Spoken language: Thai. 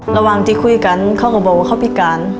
ระหว่างที่คุยกันเขาก็บอกว่าเขาพิการ